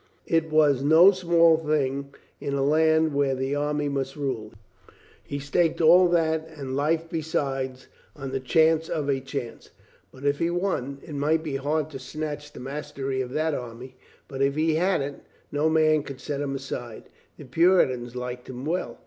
It was no small thing in a land where the army must rule. He staked all that and life be side on the chance of a chance. But if he won ! It might be hard to snatch the mastery of that army, but if he had it, no man should set him aside. The Puritans liked him well.